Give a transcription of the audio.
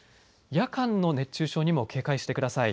夜間の熱中症にも警戒してください。